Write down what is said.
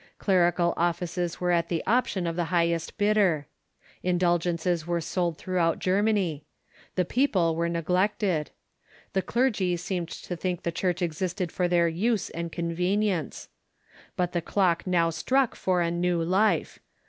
Clerical offices were at the option of the highest bidder. In dulgences were sold throughout Germany. The people were neglected. The clergy seemed to think the Church existed for their use and convenience. But the clock now struck for a new life.